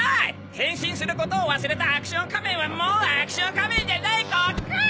変身することを忘れたアクション仮面はもうアクション仮面じゃないコッコー！